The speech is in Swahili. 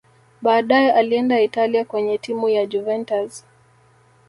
baadaye alienda italia kwenye timu ya juventus